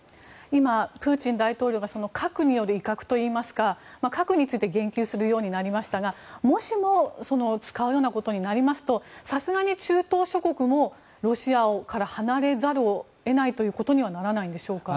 今、プーチン大統領が核による威嚇といいますか核について言及するようになりましたがもしも使うようなことになりますとさすがに中東諸国もロシアから離れざるを得ないということにはならないんでしょうか。